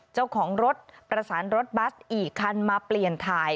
เจ้าของรถประสานรถบัสอีกคันมาเปลี่ยนถ่าย